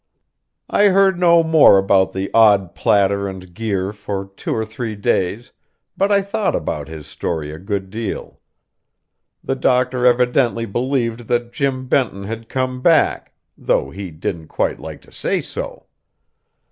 I heard no more about the odd platter and gear for two or three days, though I thought about his story a good deal. The doctor evidently believed that Jim Benton had come back, though he didn't quite like to say so.